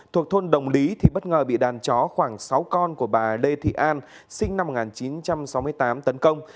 thuộc thôn đồng lý thì bất ngờ bị đàn chó khoảng sáu con của bà lê thị an sinh năm một nghìn chín trăm sáu mươi tám tấn công